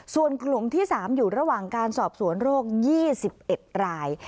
ส่วนกลุ่มที่๓อยู่ระหว่างการสอบสวนโรค๒๑ราย